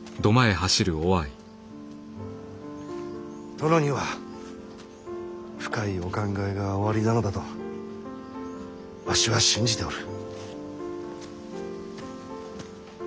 殿には深いお考えがおありなのだとわしは信じておる。